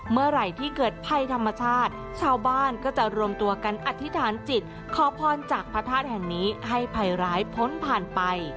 เมื่อไหร่ที่เกิดภัยธรรมชาติชาวบ้านก็จะรวมตัวกันอธิษฐานจิตขอพรจากพระธาตุแห่งนี้ให้ภัยร้ายพ้นผ่านไป